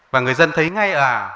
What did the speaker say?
và người dân thấy ngay là